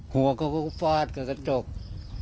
ห่วงเขาก็ฟาดกับสทศจกษ์